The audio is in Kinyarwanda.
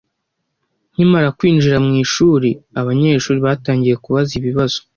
Nkimara kwinjira mu ishuri, abanyeshuri batangiye kubaza ibibazo.